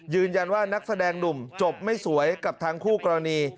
ยืนยันว่านักแสดงหนุ่มจบไม่สวยกับทางคู่กรณี